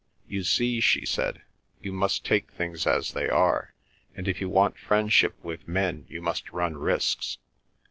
"You see," she said, "you must take things as they are; and if you want friendship with men you must run risks.